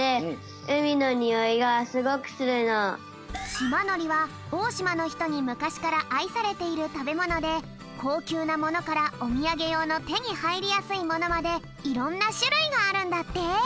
しまのりはおおしまのひとにむかしからあいされているたべものでこうきゅうなものからおみやげようのてにはいりやすいものまでいろんなしゅるいがあるんだって！